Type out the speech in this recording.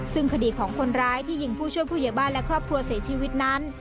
ซึ่งคดีของคนร้ายที่ยิงผู้ช่วยผู้ใหญ่บ้านและครอบครัวเสียชีวิตนั้น